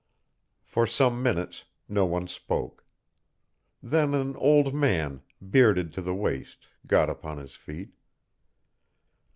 For some minutes no one spoke. Then an old man, bearded to the waist, got upon his feet.